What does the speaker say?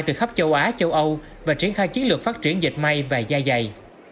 từ khắp châu á châu âu và triển khai chiến lược phát triển dệt may và da dày